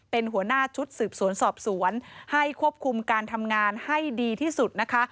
เป็นหัวหน้าชุดสืบสวนสอบสวนให้ควบคุมการทำงานให้ดีที่สุดนะคะ